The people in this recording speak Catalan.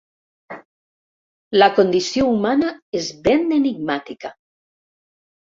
La condició humana és ben enigmàtica.